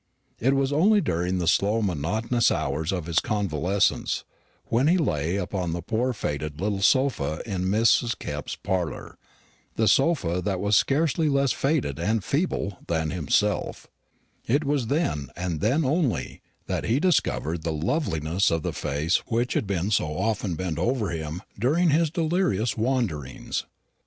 It was only during the slow monotonous hours of his convalescence, when he lay upon the poor faded little sofa in Mrs. Kepp's parlour the sofa that was scarcely less faded and feeble than himself it was then, and then only, that he discovered the loveliness of the face which had been so often bent over him during his delirious wanderings.